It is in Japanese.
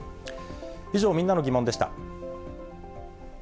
以上、みんなのギモンでした。